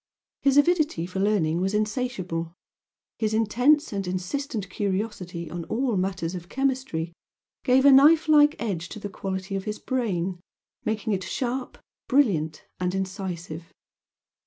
His avidity for learning was insatiable, his intense and insistent curiosity on all matters of chemistry gave a knife like edge to the quality of his brain, making it sharp, brilliant and incisive.